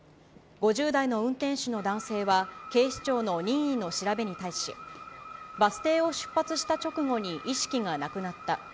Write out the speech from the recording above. ５０代の運転手の男性は、警視庁の任意の調べに対し、バス停を出発した直後に意識がなくなった。